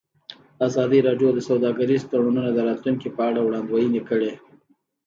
ازادي راډیو د سوداګریز تړونونه د راتلونکې په اړه وړاندوینې کړې.